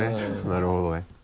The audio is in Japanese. なるほどね。